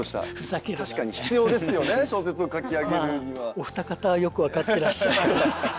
お二方はよく分かってらっしゃる。